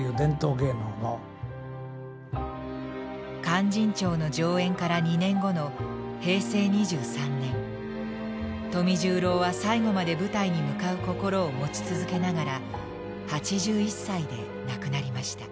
「勧進帳」の上演から２年後の平成２３年富十郎は最後まで舞台に向かう心を持ち続けながら８１歳で亡くなりました。